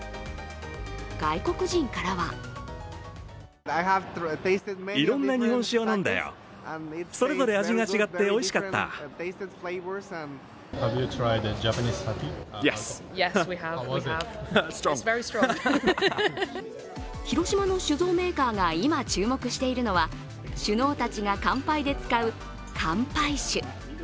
外国人からは広島の酒造メーカーが今、注目しているのは首脳たちが乾杯で使う乾杯酒。